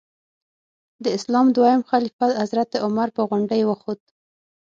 د اسلام دویم خلیفه حضرت عمر په غونډۍ وخوت.